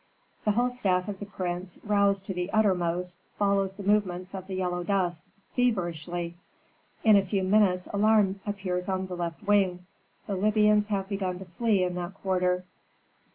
The whole staff of the prince, roused to the uttermost, follows the movements of the yellow dust, feverishly. In a few minutes alarm appears on the left wing. The Libyans have begun to flee in that quarter.